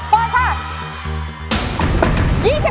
โปรดค่ะ